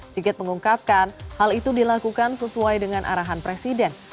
sigit mengungkapkan hal itu dilakukan sesuai dengan arahan presiden